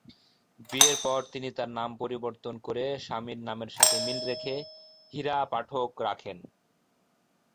বিয়ের পর তিনি তার নাম পরিবর্তন করে স্বামীর নামের সাথে মিল রেখে হীরা পাঠক রাখেন।